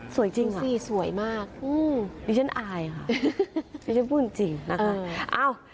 สวยจริงเหรอดิฉันอายค่ะดิฉันพูดจริงนะคะอ้าว